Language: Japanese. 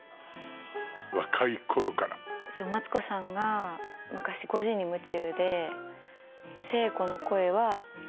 そうマツコさんが昔「５時に夢中！」